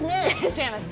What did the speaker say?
違います。